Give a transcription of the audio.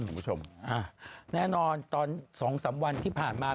ขอบคุณผู้ชมอ่าแน่นอนตอนสองสามวันที่ผ่านมา